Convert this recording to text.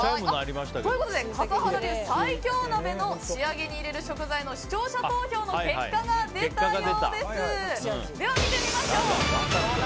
笠原流最強鍋の仕上げに入れる食材の視聴者投票の結果が出たようです。